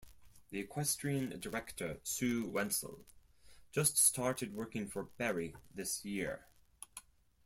The Equestrian Director, Sue Wentzel, just started working for Barrie this year.